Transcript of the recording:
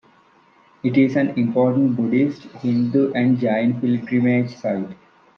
It is an important Buddhist, Hindu and Jain pilgrimage site.